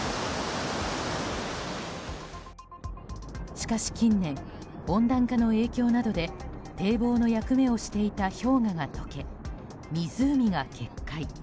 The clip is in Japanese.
しかし近年、温暖化の影響などで堤防の役目をしていた氷河が解け湖が決壊。